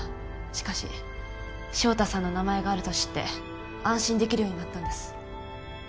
しかし潮田さんの名前があると知って安心できるようになったんです。